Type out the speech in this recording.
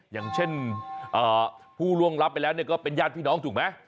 อย่างเช่นผู้ล่วงรับไปแล้วก็เป็นญาติพี่น้องถูกไหม